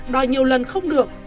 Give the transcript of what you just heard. đòi nhiều lần không được